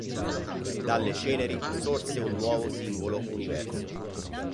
Dalle ceneri, sorse un nuovo singolo universo.